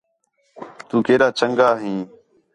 تُو کیݙا چنڳا ھیں